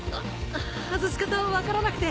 外し方分からなくて。